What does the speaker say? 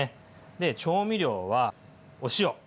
で調味料はお塩。